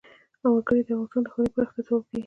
وګړي د افغانستان د ښاري پراختیا سبب کېږي.